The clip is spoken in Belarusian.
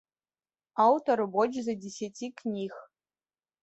Аўтар больш за дзесяці кніг.